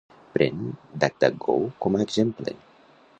Pren DuckDuckGo com a exemple.